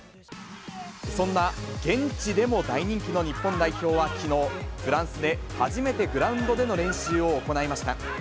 そんな現地でも大人気の日本代表はきのう、フランスで初めてグラウンドでの練習を行いました。